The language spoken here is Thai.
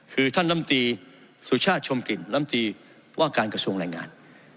คือท่านลำตีสุชาติชมกลิ่นลำตีว่าการกระทรวงแรงงาน